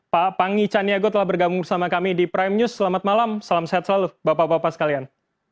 pak pangi caniago telah bergabung bersama kami di prime news selamat malam salam sehat selalu bapak bapak sekalian